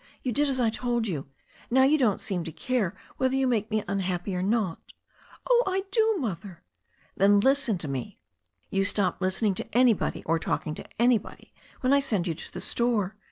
You did as I told you. Now you don't seem to care whether you make me unhappy or not *' "Oh, I do. Mother." "Then, listen to me. You stop listening to anybody or talking to anybody when I send you to the store.